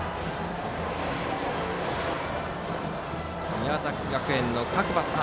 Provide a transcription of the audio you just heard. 宮崎学園の各バッター